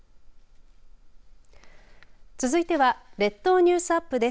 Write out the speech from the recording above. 続いては列島ニュースアップです。